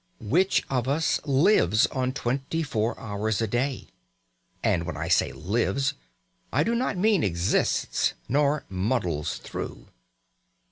Which of us lives on twenty four hours a day? And when I say "lives," I do not mean exists, nor "muddles through."